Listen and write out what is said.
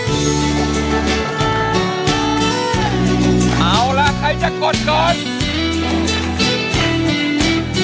เอาล่ะใครจะกดก่อน